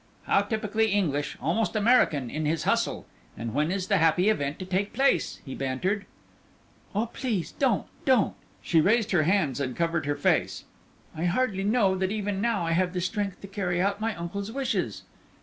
"How typically English, almost American, in his hustle; and when is the happy event to take place?" he bantered. "Oh, please, don't, don't," she raised her hands and covered her face, "I hardly know that, even now, I have the strength to carry out my uncle's wishes."